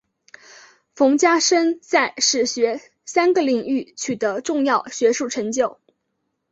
冯家升在史学三个领域取得重要学术成就。